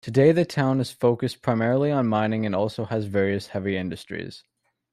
Today the town is focused primarily on mining and also has various heavy industries.